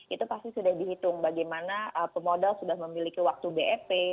itu pasti sudah dihitung bagaimana pemodal sudah memiliki waktu bep